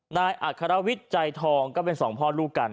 นายอัครวิทย์ใจทองก็เป็นสองพ่อลูกกัน